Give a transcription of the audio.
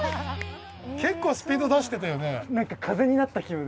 結構スピード出してたよね。